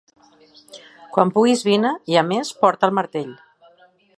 Quan puguis vine i, a més, porta el martell.